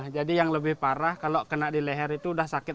jadi yang lebih parah kalau kena di leher itu sudah sakit